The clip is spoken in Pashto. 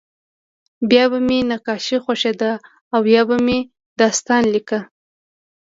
بیا به مې نقاشي خوښېده او یا به مې داستان لیکه